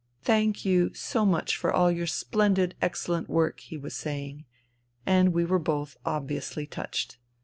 " Thank you so much for all your splendid, excellent work," he was saying ; and we were both obviously touched.